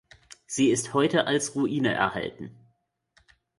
Sie ist heute als Ruine erhalten.